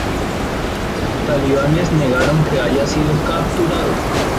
Los Talibanes negaron que haya sido capturado.